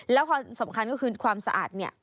แล้วความสำคัญก็คือความสะอาดเนี่ย